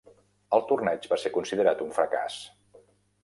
El torneig va ser considerat un fracàs.